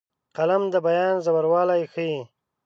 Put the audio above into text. قلم د بیان ژوروالی ښيي